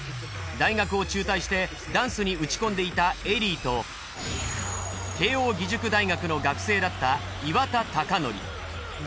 大学を中退してダンスに打ち込んでいたＥＬＬＹと慶應義塾大学の学生だった岩田剛典。